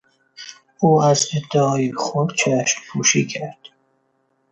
او از ادعای خود چشمپوشی کرد.